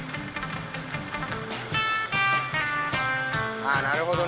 ああなるほどね！